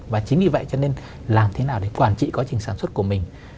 và chính vì vậy cho nên làm thế nào để quản trị quá trình sản xuất của mình